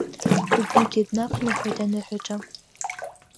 Убрыгьы днақәныҳәеит аныҳәаҿа…